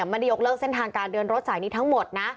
ไม่ได้ยกเลิกเส้นทางการเดินรถสายนี้ทั้งหมดนะ